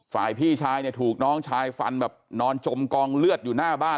ฝ่ายพี่ชายเนี่ยถูกน้องชายฟันแบบนอนจมกองเลือดอยู่หน้าบ้าน